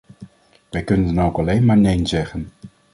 Wij kunnen dan ook alleen maar neen zeggen.